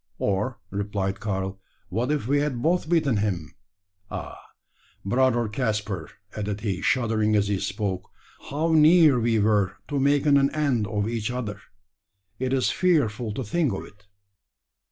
"Or," replied Karl, "what if we had both beaten him? Ah! brother Caspar," added he, shuddering as he spoke, "how near we were to making an end of each other! It's fearful to think of it!"